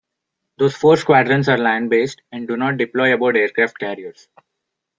Those four squadrons are land based and do not deploy aboard aircraft carriers.